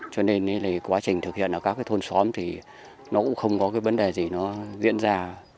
cho nên quá trình thực hiện ở các cái thôn xóm thì nó cũng không có cái vấn đề gì nó diễn ra